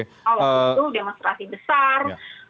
waktu itu demonstrasi besar